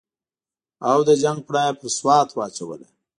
او د جنګ پړه یې پر سوات واچوله.